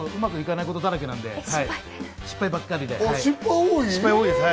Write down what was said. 最近、ちょっとうまくいかないことだらけなんで失敗ばっかりで。